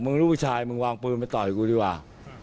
มึงลูกผู้ชายมึงวางปืนมาต่อให้กูดีกว่า